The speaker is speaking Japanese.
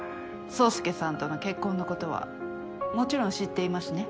宗介さんとの結婚のことはもちろん知っていますね？